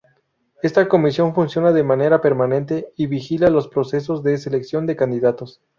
Esta comisión funciona de manera permanente y vigila los procesos de selección de candidatos.